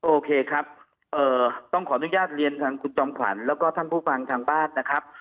โอเคครับต้องขออนุญาตเรียนทางคุณจอมขวัญแล้วก็ท่านผู้ฟังทางบ้านนะครับ